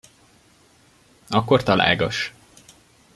Akkor találgass.